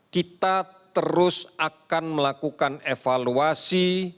kita terus akan melakukan evaluasi